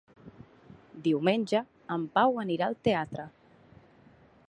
Diumenge en Pau anirà al teatre.